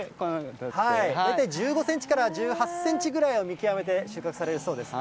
大体、１５センチから１８センチぐらいを見極めて収穫されるそうです。